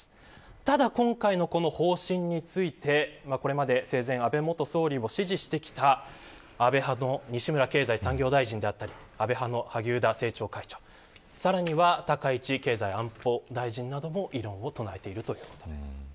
ただ、今回の方針についてこれまで、生前安倍元総理を支持してきた安倍派の西村経済産業大臣だったり萩生田政調会長さらに高市経済安保大臣なども異論を唱えているということです。